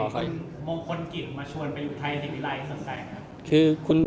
คุณมงคลกินมาชวนไปอยู่ไทยสักแสง